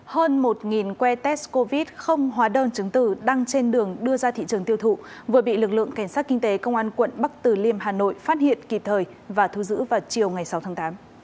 hơn một que test covid không hóa đơn chứng tử đang trên đường đưa ra thị trường tiêu thụ vừa bị lực lượng cảnh sát kinh tế công an quận bắc từ liêm hà nội phát hiện kịp thời và thu giữ vào chiều ngày sáu tháng tám